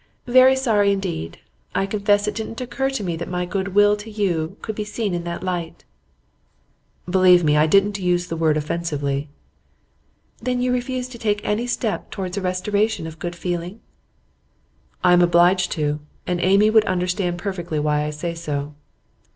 'Very sorry, indeed. I confess it didn't occur to me that my good will to you could be seen in that light.' 'Believe me that I didn't use the word offensively.' 'Then you refuse to take any step towards a restoration of good feeling?' 'I am obliged to, and Amy would understand perfectly why I say so.